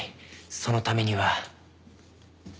そのためには